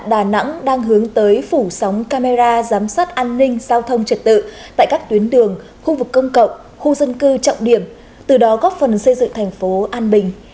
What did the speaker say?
đà nẵng đang hướng tới phủ sóng camera giám sát an ninh giao thông trật tự tại các tuyến đường khu vực công cộng khu dân cư trọng điểm từ đó góp phần xây dựng thành phố an bình